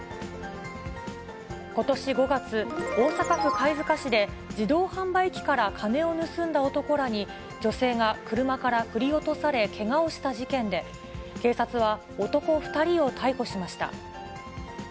ことし５月、大阪府貝塚市で、自動販売機から金を盗んだ男らに、女性が車から振り落とされ、けがをした事件で、警察は、男２人を逮捕しました。